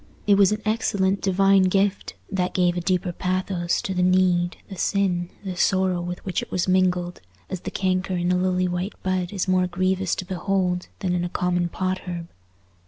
It was an excellent divine gift, that gave a deeper pathos to the need, the sin, the sorrow with which it was mingled, as the canker in a lily white bud is more grievous to behold than in a common pot herb.